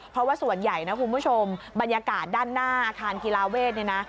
เพราะว่าส่วนใหญ่นะคุณผู้ชมบรรยากาศด้านหน้าอาคารกีฬาเวทเนี่ยนะ